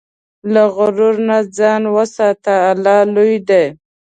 له غرور نه ځان وساته، الله لوی دی.